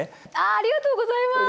ありがとうございます。